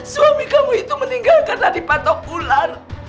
suami kamu itu meninggalkan tadi patok ular